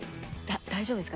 大丈夫ですか？